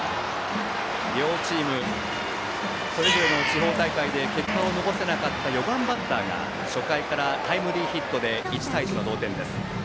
両チーム、それぞれの地方大会で結果を残せなかった４番バッターが初回からタイムリーヒットで１対１の同点です。